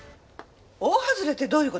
大はずれってどういう事？